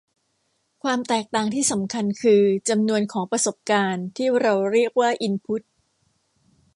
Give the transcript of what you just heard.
ความแตกต่างที่สำคัญ คือ จำนวนของประสบการณ์ ที่เราเรียกว่าอินพุท